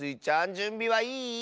じゅんびはいい？